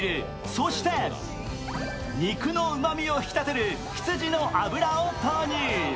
そして肉のうまみを引き立てる羊の脂を投入。